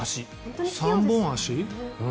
３本足？